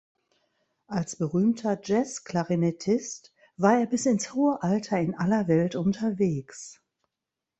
Als berühmter Jazzklarinettist war er bis ins hohe Alter in aller Welt unterwegs.